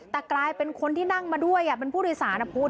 แต่กลายเป็นคนที่นั่งมาด้วยเป็นผู้โดยสารพูด